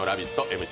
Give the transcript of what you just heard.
ＭＣ